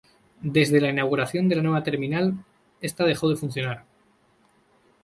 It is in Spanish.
Desde la inauguración de la Nueva Terminal, esta dejo de funcionar.